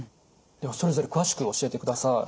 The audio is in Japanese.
ではそれぞれ詳しく教えてください。